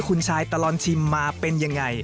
คุณชายตลอดชิมมาเป็นยังไง